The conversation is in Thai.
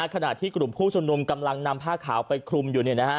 ขณะที่กลุ่มผู้ชมนุมกำลังนำผ้าขาวไปคลุมอยู่